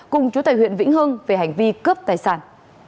cùng chú tài huyện vĩnh hưng về hành vi cướp tài sản